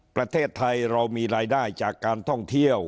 ประเทศไทยเรามีรายได้จากการท่องเที่ยว